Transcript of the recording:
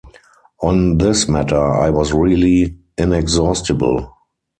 On this matter, I was really inexhaustible.